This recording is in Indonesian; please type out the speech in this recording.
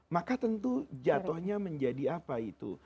maka tentu jatuhnya menjadi apa itu